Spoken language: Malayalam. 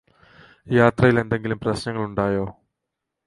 യാത്രയിൽ എന്തെങ്കിലും പ്രശ്നങ്ങളുണ്ടായോ